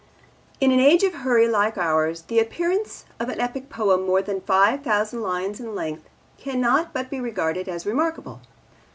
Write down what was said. In an age of hurry like ours the appearance of an epic poem more than five thousand lines in length cannot but be regarded as remarkable.